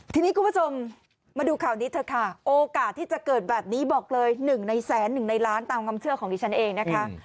ทีนี้คุณผู้ชมมาดูข่าวนี้เถอะค่ะโอกาสที่จะเกิดแบบนี้บอกเลย๑ในแสนหนึ่งในล้านตามความเชื่อของดิฉันเองนะคะ